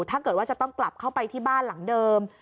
ถ้าเกิดว่าจะต้องกลับเข้าไปที่บ้านหลังเดิม